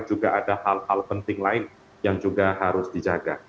juga ada hal hal penting lain yang juga harus dijaga